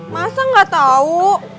masa nggak tahu